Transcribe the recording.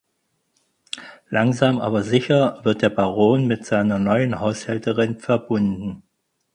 Langsam aber sicher wird der Baron mit seiner neuen Haushälterin verbunden.